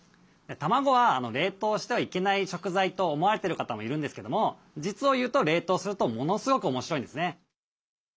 卵は冷凍してはいけない食材と思われてる方もいるんですけども実を言うと冷凍するとものすごく面白いんですね。